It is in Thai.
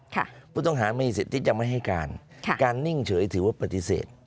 ผู้ต้องหามีสิทธิ์ที่จะไม่ให้การค่ะการนิ่งเฉยถือว่าปฏิเสธ